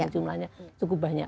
jumlahnya cukup banyak